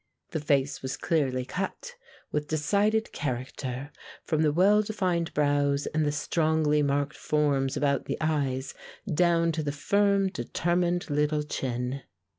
The face was clearly cut, with decided character, from the well defined brows and the strongly marked forms about the eyes down to the firm determined little chin.